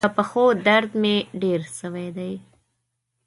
د پښو درد مي ډیر سوی دی.